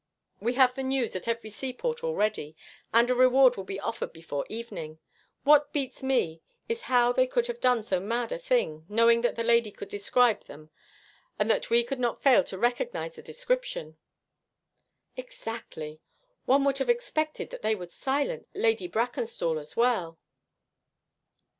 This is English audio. We have the news at every seaport already, and a reward will be offered before evening. What beats me is how they could have done so mad a thing, knowing that the lady could describe them and that we could not fail to recognize the description.' 'Exactly. One would have expected that they would silence Lady Brackenstall as well.'